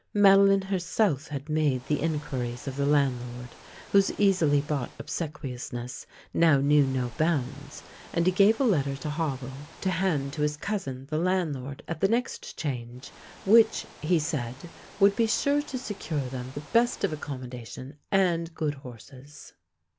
Madelinette herself had made the inquiries of the landlord, whose easily bought obsequiousness now knew no bounds, and he gave a letter to Havel to hand 50 THE LANE THAT HAD NO TURNING to his cousin the landlord at the next change, which, he said, would be sure to secure them the best of accom modation and good horses.